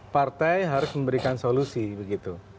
partai harus memberikan solusi begitu